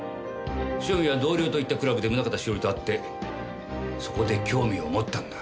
汐見は同僚と行ったクラブで宗方栞と会ってそこで興味を持ったんだ。